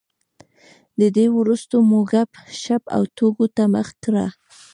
تر دې وروسته مو ګپ شپ او ټوکو ته مخه کړه.